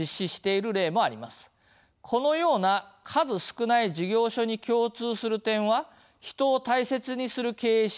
このような数少ない事業所に共通する点は「人を大切にする経営者」